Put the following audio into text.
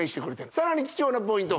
さらに貴重なポイント